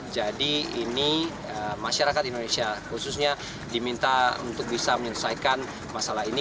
jadi ini masyarakat indonesia khususnya diminta untuk bisa menyelesaikan masalah ini